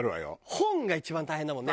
本が一番大変だもんね